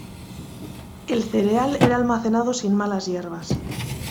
El cereal era almacenado sin malas hierbas.